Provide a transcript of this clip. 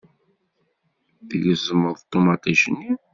Tgezmem ṭumaṭic-nni.